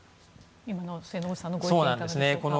今の末延さんのご意見いかがでしょうか。